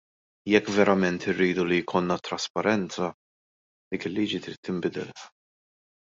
Jekk verament irridu li jkollna t-trasparenza, dik il-liġi trid tinbidel.